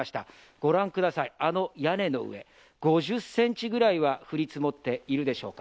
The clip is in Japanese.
御覧ください、あの屋根の上、５０ｃｍぐらいは降り積もっているでしょうか。